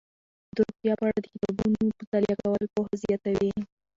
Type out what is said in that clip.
د روغتیا په اړه د کتابونو مطالعه کول پوهه زیاتوي.